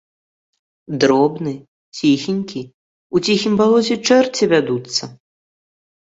Дробны, ціхенькі, у ціхім балоце чэрці вядуцца.